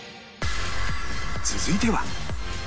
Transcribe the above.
続いては